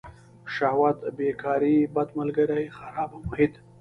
شهوت بیکاري بد ملگري خرابه محیط.